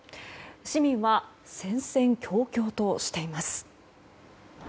市民は戦々恐々としています。